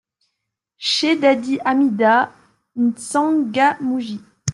CHE DADY HAMIDA, M'Tsangamouji